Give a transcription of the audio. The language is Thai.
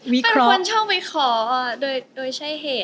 เป็นคนชอบวิเคราะห์โดยใช้เหตุ